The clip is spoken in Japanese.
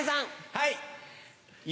はい。